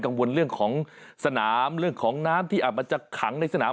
เรื่องของสนามเรื่องของน้ำที่อาจจะขังในสนาม